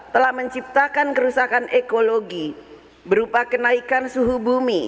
telah menciptakan kerusakan ekologi berupa kenaikan suhu bumi